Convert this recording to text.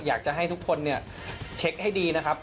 อยากจะให้ทุกคนเช็กให้ดีนะครับ